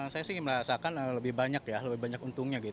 saya sih merasakan lebih banyak untungnya